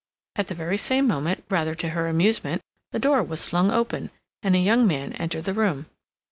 At the very same moment, rather to her amusement, the door was flung open, and a young man entered the room.